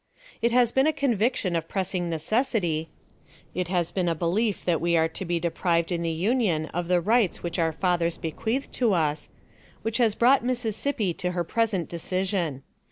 "It has been a conviction of pressing necessity it has been a belief that we are to be deprived in the Union of the rights which our fathers bequeathed to us which has brought Mississippi to her present decision.